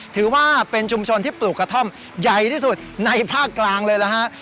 ถือว่าเป็นชุมชนที่ปลูกกระท่อมใหญ่ที่สุดในภาคกลางเลยนะฮะ